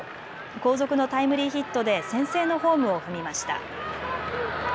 後続のタイムリーヒットで先制のホームを踏みました。